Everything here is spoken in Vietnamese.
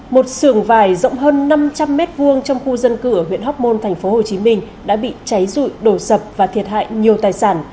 một sườn vải rộng hơn năm trăm linh m hai trong khu dân cư ở huyện hóc môn tp hcm đã bị cháy rụi đổ sập và thiệt hại nhiều tài sản